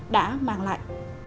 đã mang lại